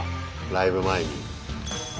ライブ前に。